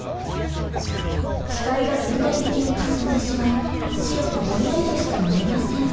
視界が全体的にかすんでしまい白くぼんやりとしか見えません。